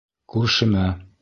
Күршемә!